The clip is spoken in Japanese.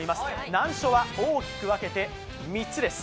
難所は大きく分けて３つです。